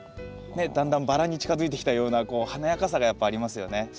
ねっだんだんバラに近づいてきたような華やかさがやっぱありますよね。